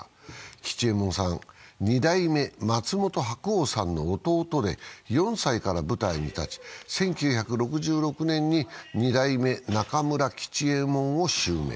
吉右衛門さん、二代目・松本白鸚さんの弟で４歳から舞台に立ち、１９６６年に二代目中村吉右衛門を襲名。